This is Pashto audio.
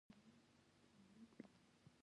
غلا کول یې چاغ مږان له کلیوالو.